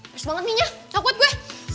bes banget mie nya takut gue